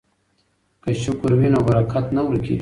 که شکر وي نو برکت نه ورکیږي.